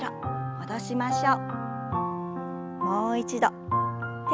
戻しましょう。